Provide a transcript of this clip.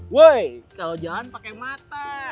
woy kalau jalan pake mata